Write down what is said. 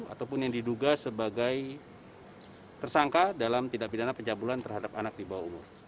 ataupun yang diduga sebagai tersangka dalam tindak pidana pencabulan terhadap anak di bawah umur